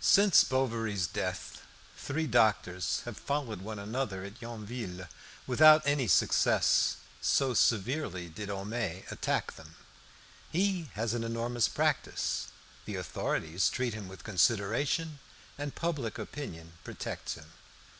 Since Bovary's death three doctors have followed one another at Yonville without any success, so severely did Homais attack them. He has an enormous practice; the authorities treat him with consideration, and public opinion protects him.